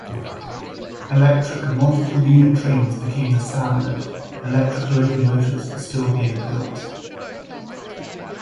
Electric multiple unit trains became the standard, but electric locomotives were still being built.